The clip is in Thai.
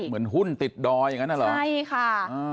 เหมือนหุ้นติดดอยอย่างนั้นน่ะเหรอใช่ค่ะ